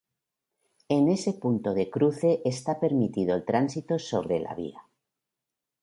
En ese punto de cruce está permitido el tránsito sobre la vía.